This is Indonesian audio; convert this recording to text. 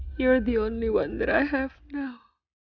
kamu saja yang aku miliki sekarang